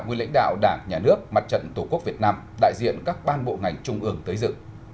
nguyên lãnh đạo đảng nhà nước mặt trận tổ quốc việt nam đại diện các ban bộ ngành trung ương tới dự